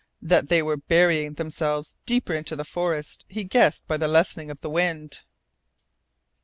That they were burying themselves deeper into the forest he guessed by the lessening of the wind.